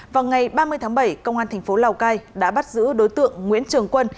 vào ngày ba mươi tháng bảy công an thành phố lào cai đã bắt giữ đối tượng nguyễn trường quân